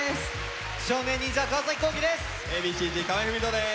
少年忍者川皇輝です。